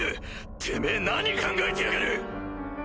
てめぇ何考えてやがる！